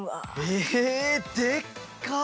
えでっか！